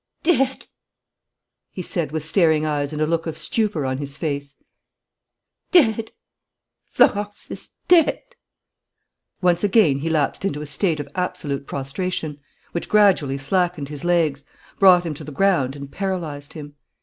"Dead!" he said, with staring eyes and a look of stupor on his face. "Dead! Florence is dead!" Once again he lapsed into a state of absolute prostration, which gradually slackened his legs, brought him to the ground and paralyzed him.